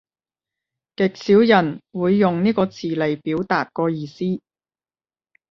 極少人會用呢個詞嚟表達個意思